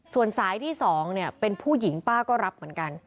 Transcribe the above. ส่วนสายที่๒เป็นผู้หญิงป้าก็รับเหมือนกัน